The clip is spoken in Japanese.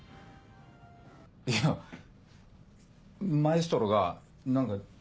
いやマエストロが何か時間。